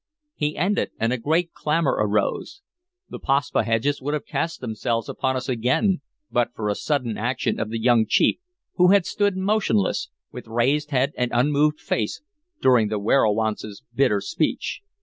He ended, and a great clamor arose. The Paspaheghs would have cast themselves upon us again but for a sudden action of the young chief, who had stood motionless, with raised head and unmoved face, during the werowance's bitter speech.